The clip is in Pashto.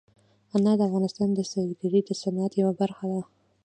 انار د افغانستان د سیلګرۍ د صنعت یوه برخه ده.